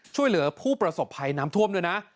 ช่วยเหลือผู้ประสบภัยน้ำท่วมด้วยนะ